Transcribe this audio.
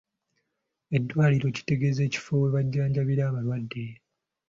Eddwaliro kitegeeza ekifo we bajjanjabira abalwadde.